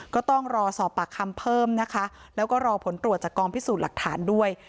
ก็ต้องรอสอบปากคำเพิ่มนะคะแล้วก็รอผลตรวจจากกองพิสูจน์หลักฐานด้วย